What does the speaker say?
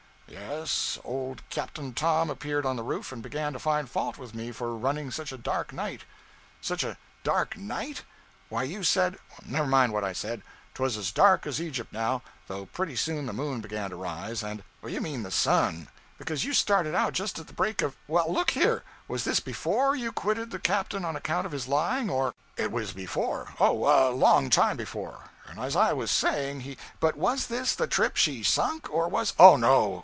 'Yes old Capt. Tom appeared on the roof and began to find fault with me for running such a dark night ' 'Such a dark night? Why, you said ' 'Never mind what I said, 'twas as dark as Egypt now, though pretty soon the moon began to rise, and ' 'You mean the sun because you started out just at break of look here! Was this _before _you quitted the captain on account of his lying, or ' 'It was before oh, a long time before. And as I was saying, he ' 'But was this the trip she sunk, or was ' 'Oh, no!